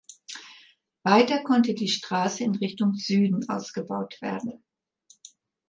Weiter konnte die Straße in Richtung Süden ausgebaut werden.